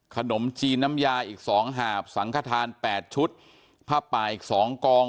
ขนมจีนน้ำยาอีก๒หาบสังขทาน๘ชุดผ้าป่าอีก๒กอง